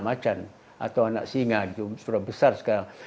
macan atau anak singa itu sudah besar sekarang